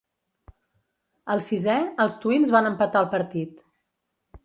Al sisè, els Twins van empatar el partit.